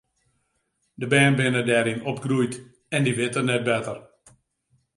De bern binne dêryn opgroeid en dy witte net better.